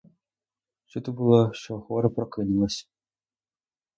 Чути було, що хвора прокинулась.